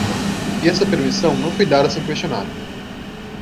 E essa permissão não foi dada sem questionar.